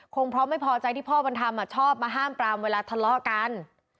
คงเพราะไม่พอใจที่พ่อบุญธรรมชอบมาห้ามปรามเวลาทะเลาะกัน